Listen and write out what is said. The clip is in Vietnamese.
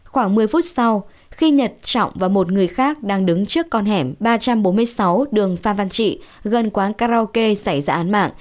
khoảng một mươi phút sau khi nhật trọng và một người khác đang đứng trước con hẻm ba trăm bốn mươi sáu đường phan văn trị gần quán karaoke xảy ra án mạng